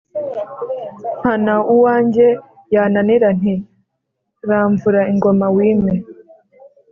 mpana uwange yananira nti: "ramvura ingoma wime